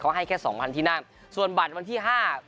เค้าให้แค่๒๐๐๐ที่น่ะส่วนบัตรวันที่๕